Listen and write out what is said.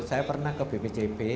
saya pernah ke bpjp